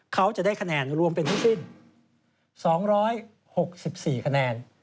เขาจะได้คะแนนรวมเป็นทั้งสิ้น๒๖๔คะแนน